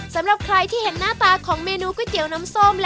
สำหรับคนที่รักส้มนะฮะรักกันดื่มน้ำส้ม